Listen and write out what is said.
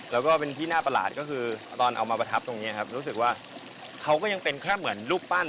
แล้วก็เป็นที่น่าประหลาดก็คือตอนเอามาประทับตรงนี้ครับรู้สึกว่าเขาก็ยังเป็นแค่เหมือนรูปปั้น